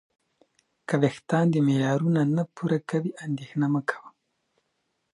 که وېښتان دې معیارونه نه پوره کوي، اندېښنه مه کوه.